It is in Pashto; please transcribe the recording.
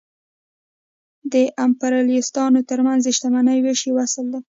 د امپریالیستانو ترمنځ د شتمنۍ وېش یو اصل دی